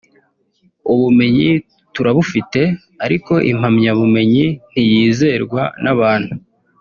“Ubumenyi turabufite ariko impamyabumenyi ntiyizerwa n’abantu